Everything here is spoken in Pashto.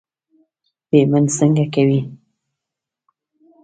پیمنټ څنګه کوې.